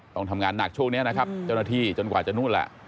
ต้องทำงานหนักช่วงนี้นะครับเจ้าหน้าที่จนกว่าจะนู่นแหละ